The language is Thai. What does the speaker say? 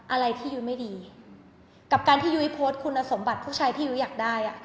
อะไรที่ยุ้ยไม่ดีกับการที่ยุ้ยโพสต์คุณสมบัติผู้ชายที่ยุ้ยอยากได้อ่ะ